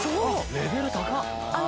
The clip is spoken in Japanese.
レベル高っ！